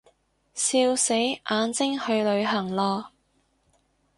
笑死，眼睛去旅行囉